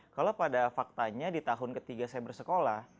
kalau pada faktanya di tahun ketiga saya bersekolah